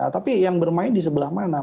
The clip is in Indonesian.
tapi yang bermain di sebelah mana